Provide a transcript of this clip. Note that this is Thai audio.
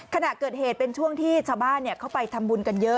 ขณะเกิดเหตุเป็นช่วงที่ชาวบ้านเข้าไปทำบุญกันเยอะ